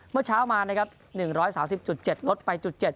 เมื่อเช้ามานะครับ๑๓๐๗งดไปจุด๗